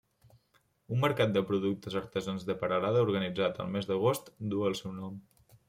Un mercat de productes artesans de Peralada organitzat el mes d'agost duu el seu nom.